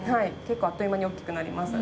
結構あっという間に大きくなります。